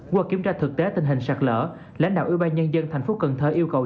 qua kiểm tra thực tế tình hình sạt lỡ lãnh đạo ưu ba nhân dân tp cn yêu cầu